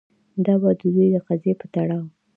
دا به د دوی د قضیې په تړاو